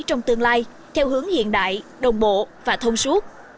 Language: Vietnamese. trong tương lai theo hướng hiện đại đồng bộ và thông suốt